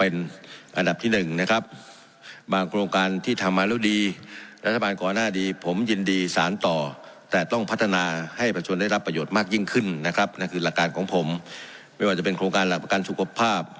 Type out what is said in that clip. นั่นคือหลักการของผมไม่ว่าจะเป็นโครงการหลักประกันสุขภาพ